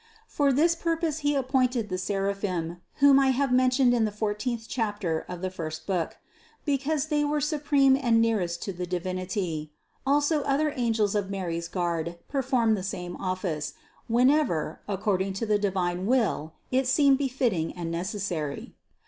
For this purpose He appointed the seraphim, whom I have mentioned in the fourteenth chapter of the first book, because they were supreme and nearest to the Divinity ; also other angels of Mary's guard performed the same office, whenever, ac cording to the divine will, it seemed befitting and neces sary.